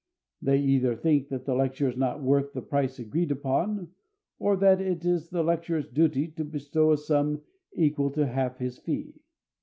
They either think that the lecture is not worth the price agreed upon, or that it is the lecturer's duty to bestow a sum equal to half his fee.